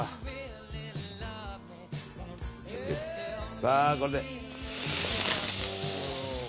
さあ、これで。